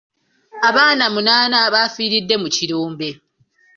Abaana munaana bafiiridde mu kirombe.